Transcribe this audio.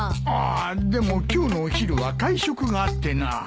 ああでも今日のお昼は会食があってな。